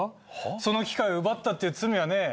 その機会を奪ったっていう罪はね